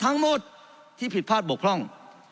ทั้งหมดที่ผิดพลาดบกพร่อง